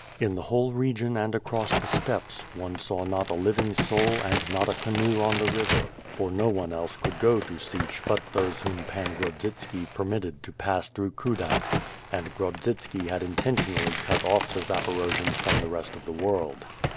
In the whole region and across the steppes, one saw not a living soul and not a canoe on the river; for no one else could go to Sich but those whom Pan Grodzitski permitted to pass through Kudak: And Grodzitski had intentionally cut off the Zapon^jians inmx the rest of the world.